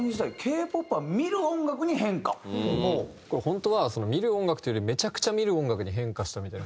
これ本当は見る音楽というよりめちゃくちゃ見る音楽に変化したみたいな。